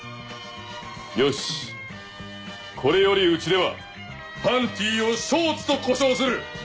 よしこれよりうちでは「パンティ」を「ショーツ」と呼称する。